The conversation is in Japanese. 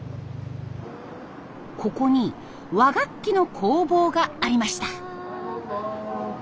ここに和楽器の工房がありました。